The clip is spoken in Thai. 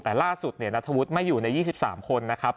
แต่ล่าสุดนัทธวุฒิไม่อยู่ใน๒๓คนนะครับ